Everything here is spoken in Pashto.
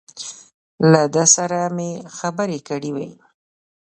له ده سره مې خبرې کړې وې.